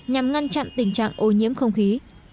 nhằm ngăn chặn tình trạng ô nhiễm không khí